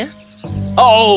karena kau tidak mendengarkannya